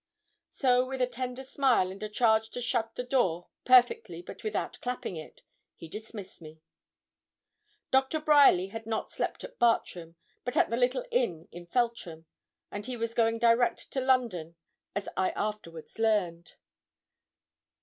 So with a tender smile, and a charge to shut the door 'perfectly, but without clapping it,' he dismissed me. Doctor Bryerly had not slept at Bartram, but at the little inn in Feltram, and he was going direct to London, as I afterwards learned.